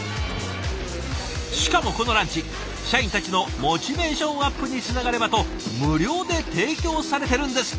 しかもこのランチ社員たちのモチベーションアップにつながればと無料で提供されてるんですって！